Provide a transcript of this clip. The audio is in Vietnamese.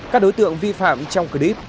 các đối tượng vi phạm trong clip